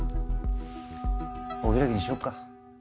お開きにしよっか。